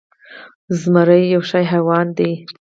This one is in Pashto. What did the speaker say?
زمری یو ښه حیوان ده